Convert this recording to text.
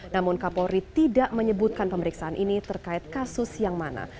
namun kapolri tidak menyebutkan pemeriksaan ini terkait kasus yang mana